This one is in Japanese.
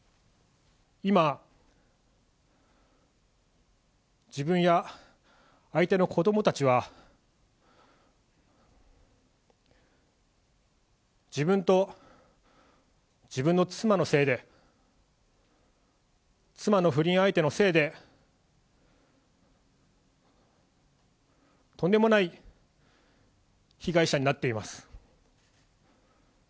今、自分や相手の子どもたちは、自分と自分の妻のせいで、妻の不倫相手のせいで、とんでもない被害者になっています。